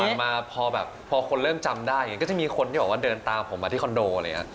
แต่หลังมาพอแบบพอคนเริ่มจำได้ก็จะมีคนที่บอกว่าเดินตามผมมาที่คอนโดอะไรอย่างนี้